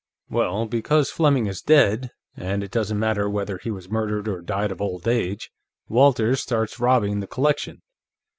"Well, because Fleming is dead and it doesn't matter whether he was murdered or died of old age Walters starts robbing the collection.